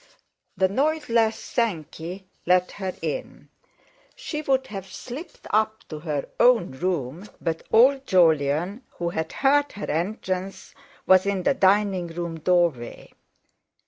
The noiseless "Sankey" let her in. She would have slipped up to her own room, but old Jolyon, who had heard her entrance, was in the dining room doorway.